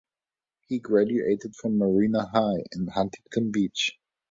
He graduated from Marina High in Huntington Beach.